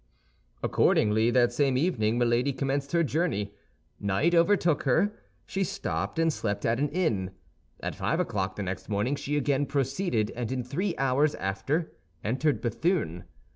Accordingly, that same evening Milady commenced her journey. Night overtook her; she stopped, and slept at an inn. At five o'clock the next morning she again proceeded, and in three hours after entered Béthune.